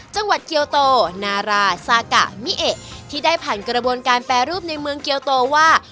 จังหวัดเกียวโตนาราซากะมิเอะที่ได้ผ่านกระบวนการแปรรูปในเมืองเกียวโตว่า